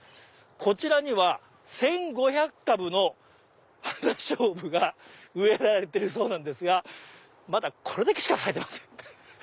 こちらには１５００株のハナショウブが植えられてるそうなんですがまだこれだけしか咲いてません。